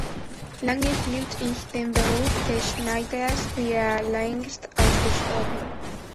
Lange hielt ich den Beruf des Schneiders für längst ausgestorben.